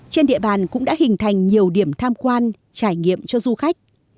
trên địa bàn cũng đã hình thành nhiều điểm tham quan trải nghiệm cho du khách